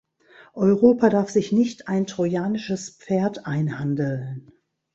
Europa darf sich nicht ein Trojanisches Pferd einhandeln.